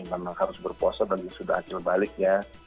memang harus berpuasa bagi sudah akhir balik ya